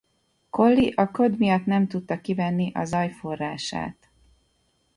Collie a köd miatt nem tudta kivenni a zaj forrását.